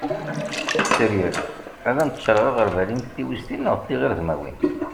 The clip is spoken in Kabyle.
tteryel ad am-d-ččareγ aγerbal-im d tiwiztin neγ tiγredmiwin